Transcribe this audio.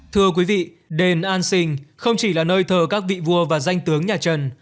thưa quý vị đền an sinh không chỉ là nơi thờ các vị vua và danh tướng nhà trần